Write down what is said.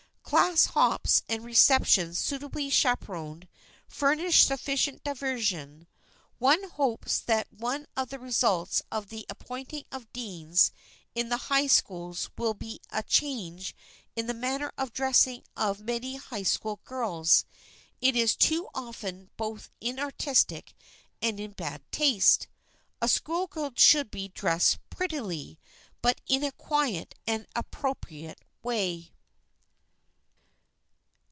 Class hops and receptions suitably chaperoned furnish sufficient diversion. One hopes that one of the results of the appointing of deans in the high schools will be a change in the manner of dressing of many high school girls. It is too often both inartistic and in bad taste. A schoolgirl should be dressed prettily, but in a quiet and appropriate way.